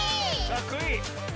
かっこいい。